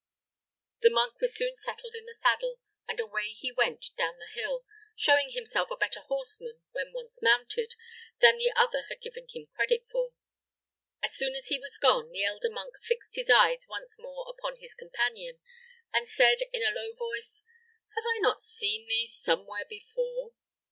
The monk was soon settled in the saddle, and away he went down the hill, showing himself a better horseman, when once mounted, than the other had given him credit for. As soon as he was gone, the elder monk fixed his eyes once more upon his companion, and said, in a low voice, "Have I not seen thee somewhere before?"